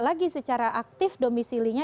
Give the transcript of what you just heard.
lagi secara aktif domisilinya